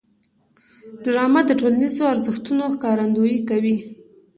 ډرامه د ټولنیزو ارزښتونو ښکارندويي کوي